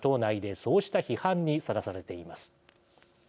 そうした批判にさらされています。